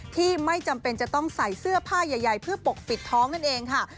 ที่ไม่จำเป็นจะต้องใส่เสื้อผ้าใหญ่เพื่อปกปิดท้องนั่นเองค่ะ